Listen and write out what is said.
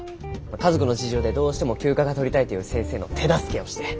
家族の事情でどうしても休暇が取りたいという先生の手助けをして。